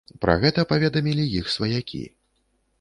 Пра гэта паведамілі іх сваякі.